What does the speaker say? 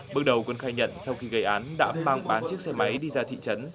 bước đầu quân khai nhận sau khi gây án đã mang bán chiếc xe máy đi ra thị trấn